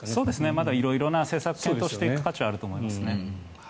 まだ色々な政策を検討していく価値はあると思いますね。